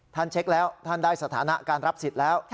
เช็คแล้วท่านได้สถานะการรับสิทธิ์แล้ว